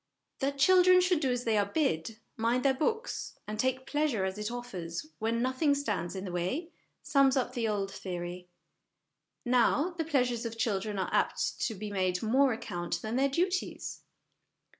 That children should do as they are bid, mind their books, and take pleasure as it offers when nothing stands in the way, sums up the old theory; now, the pleasures of children are apt to be made of more account than their duties.